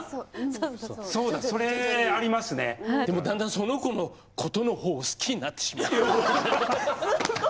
でも、だんだんその子のことの方を好きになってしまうかも。